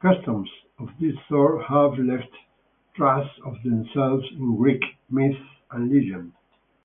Customs of this sort have left traces of themselves in Greek myth and legend.